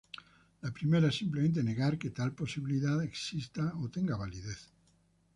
La primera es simplemente negar que tal posibilidad exista o tenga validez.